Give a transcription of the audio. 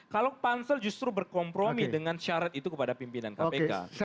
kalau pansel justru berkompromi dengan syarat itu kepada pimpinan kpk